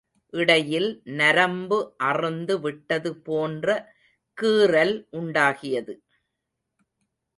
இடையில் நரம்பு அறுந்து விட்டது போன்ற கீறல் உண்டாகியது.